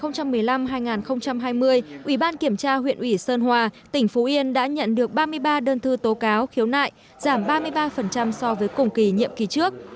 nhiệm kỳ hai nghìn một mươi năm hai nghìn hai mươi ubkc huyện ủy sơn hòa tỉnh phú yên đã nhận được ba mươi ba đơn thư tố cáo khiếu nại giảm ba mươi ba so với cùng kỳ nhiệm kỳ trước